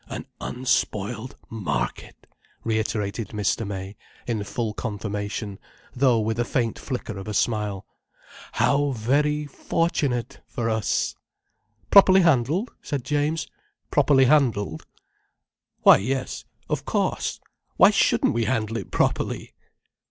"An unspoiled market!" reiterated Mr. May, in full confirmation, though with a faint flicker of a smile. "How very fortunate for us." "Properly handled," said James. "Properly handled." "Why yes—of cauce! Why shouldn't we handle it properly!"